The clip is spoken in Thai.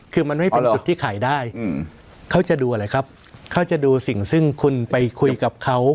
คือมันไม่เป็นจุดที่ขายได้เขาจะดูอะไรครับเขาจะดูสิ่งซึ่งคุณไปคุยกับเขา